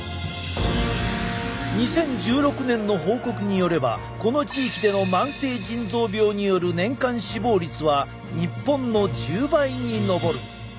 ２０１６年の報告によればこの地域での慢性腎臓病による年間死亡率は日本の１０倍に上る。